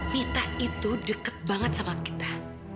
mita itu dekat banget sama kita